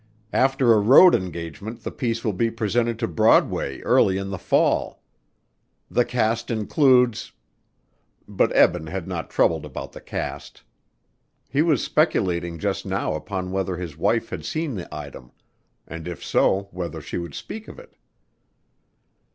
After a road engagement the piece will be presented to Broadway early in the fall. The cast includes " But Eben had not troubled about the cast. He was speculating just now upon whether his wife had seen the item and if so whether she would speak of it.